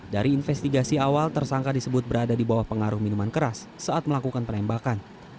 dari investigasi awal tersangka disebut berada di bawah pengaruh minuman keras saat melakukan penembakan